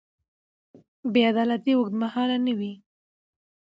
بې عدالتي اوږدمهاله نه وي